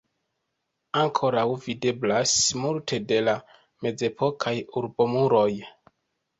Ankoraŭ videblas multe de la mezepokaj urbomuroj.